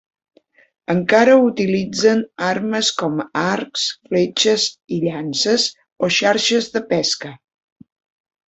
Encara utilitzen armes com arcs, fletxes i llances o xarxes de pesca.